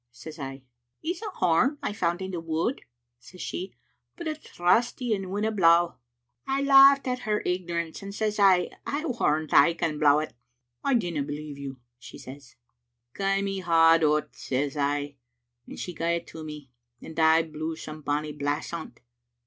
* says I. " *It's a horn I found in the wood,' says she, *but it's rusty and winna blaw. '" I laughed at her ignorance, and says I, *I warrant I could blaw it. '" *I dinna believe you,' says she. " *Gie me baud o't, ' says I, and she gae it to me, and I blew some bonny blasts on't.